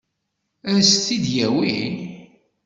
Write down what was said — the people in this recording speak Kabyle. Ad s-t-id-yawi?